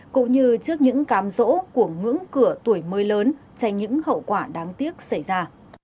cũng như trước những cám rỗ của ngưỡng cửa tuổi mới lớn tránh những hậu quả đáng tiếc xảy ra